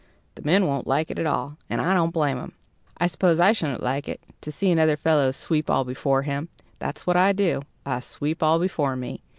The men won't like it at all; and I don't blame 'em. I suppose I shouldn't like it to see another fellow sweep all before him. That's what I do; I sweep all before me."